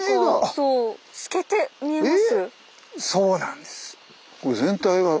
そうなんです。